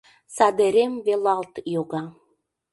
Садерем велалт йога.